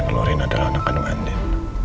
kalau rina adalah anak kandung andien